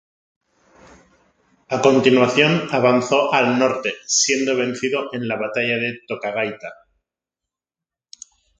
A continuación avanzó al norte, siendo vencido en la Batalla de Cotagaita.